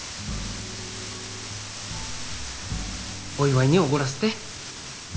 お祝いにおごらせて。